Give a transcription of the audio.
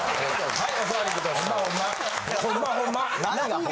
はい。